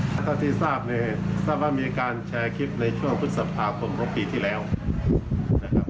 เท่าที่ทราบเนี่ยทราบว่ามีการแชร์คลิปในช่วงพฤษภาคมของปีที่แล้วนะครับ